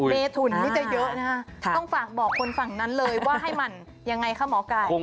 เมถุนนี่จะเยอะนะคะต้องฝากบอกคนฝั่งนั้นเลยว่าให้หมั่นยังไงคะหมอไก่